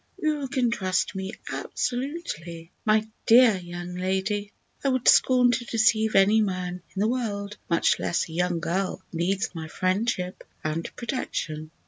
"You can trust me absolutely, my dear young lady! I would scorn to deceive any man in the world, much less a young girl who needs my friendship and protection."